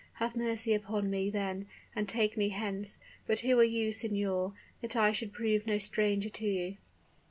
Have mercy upon me, then; and take me hence! But who are you, signor, that I should prove no stranger to you?"